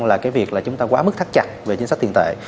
là cái việc là chúng ta quá mức thắt chặt về chính sách tiền tệ